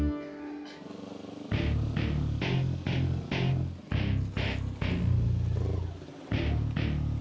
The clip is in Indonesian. jujur aku gak pernah ada maksud